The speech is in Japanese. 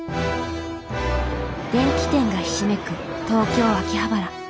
電器店がひしめく東京・秋葉原。